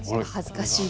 恥ずかしい。